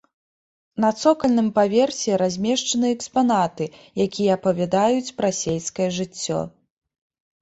На цокальным паверсе размешчаны экспанаты, якія апавядаюць пра сельскае жыццё.